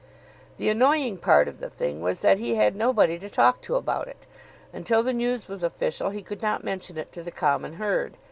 The annoying part of the thing was that he had nobody to talk to about it. Until the news was official he could not mention it to the common herd.